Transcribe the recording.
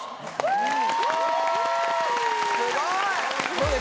すごい！